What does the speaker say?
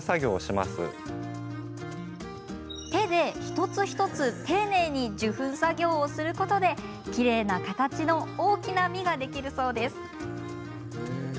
手で一つ一つ丁寧に受粉作業をすることできれいな形の大きな実ができるそうです。